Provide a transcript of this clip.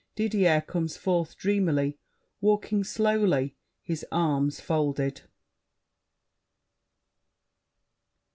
Didier comes forth dreamily, walking slowly, his arms folded.